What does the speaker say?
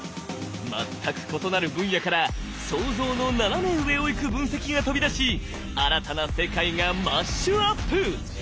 全く異なる分野から想像の斜め上をいく分析が飛び出し新たな世界がマッシュアップ！